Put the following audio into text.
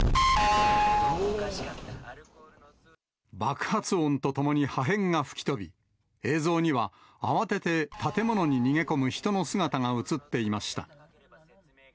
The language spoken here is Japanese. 爆発音とともに破片が吹き飛び、映像には、慌てて建物に逃げ込む人の姿が写っていました。